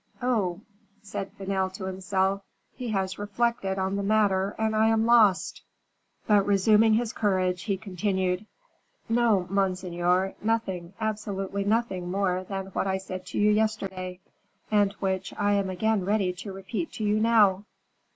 "Oh," said Vanel to himself, "he has reflected on the matter and I am lost." But resuming his courage, he continued, "No, monseigneur, nothing, absolutely nothing more than what I said to you yesterday, and which I am again ready to repeat to you now."